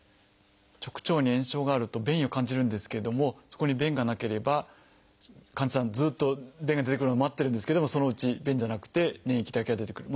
直腸に炎症があると便意を感じるんですけれどもそこに便がなければ患者さんずっと便が出てくるのを待ってるんですけどもそのうち便じゃなくて粘液だけが出てくる。